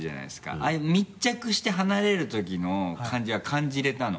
ああいう密着して離れるときの感じは感じれたの。